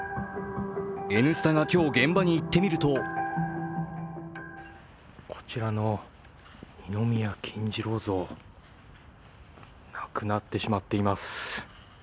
「Ｎスタ」が今日現場に行ってみるとこちらの二宮金次郎像、なくなってしまっています。